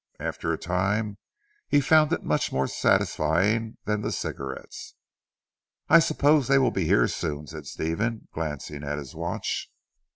After a time, he found it much more satisfying than the cigarettes. "I suppose they will be here soon," said Stephen glancing at his watch.